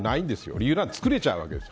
理由なんて作れちゃうんです。